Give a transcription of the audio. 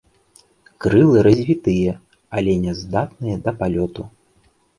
Крылы развітыя, але няздатныя да палёту.